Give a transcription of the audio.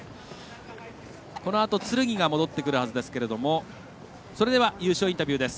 このあと、つるぎが戻ってくるはずですがそれでは、優勝インタビューです。